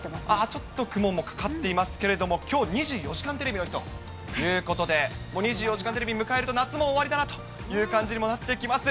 ちょっと雲もかかっていますけれども、きょう、２４時間テレビの日ということで、２４時間テレビを迎えると、夏も終わりだなという感じにもなってきます。